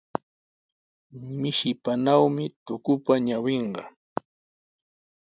Mishipanawmi tukupa ñawinqa.